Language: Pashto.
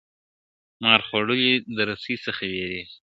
¬ مار خوړلی، د رسۍ څخه بېرېږي.